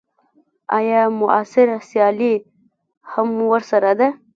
ایا معاصره سیالي هم ورسره ده.